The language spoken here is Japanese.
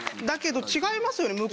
だけど違いますよね？